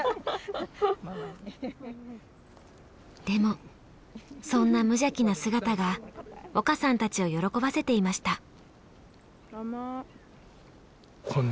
でもそんな無邪気な姿が岡さんたちを喜ばせていました。